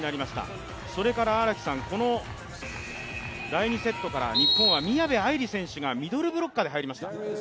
第２セットから日本は宮部藍梨選手がミドルブロッカーで入りました。